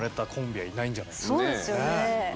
そうですよね。